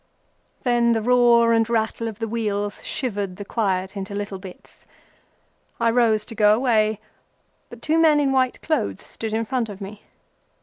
Then the roar and rattle of the wheels shivered the quiet into little bits. I rose to go away, but two men in white clothes stood in front of me.